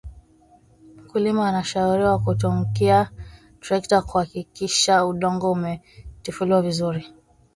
mkulima anashauriwa kutumkia trekta kuhakisha udongo umetifuliwa vizuri